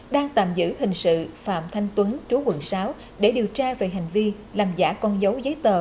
đang tạm giữ hình sự phạm thanh tuấn chú quận sáu để điều tra về hành vi làm giả con dấu giấy tờ